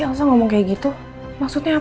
yaudah nanti lain kali kita sama sama kesana ya